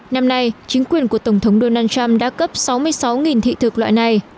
năm nay chính quyền của tổng thống donald trump đã cấp sáu mươi sáu thị thực loại này